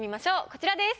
こちらです。